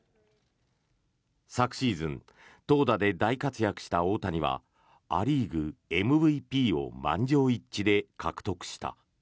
昨シーズン投打で大活躍した大谷はア・リーグＭＶＰを満場一致で獲得した。